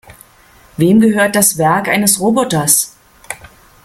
Wem gehört das Werk eines Roboters?